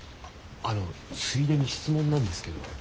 あのついでに質問なんですけど。